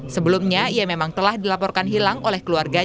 sebelumnya ia memang telah dilaporkan hilang oleh keluarga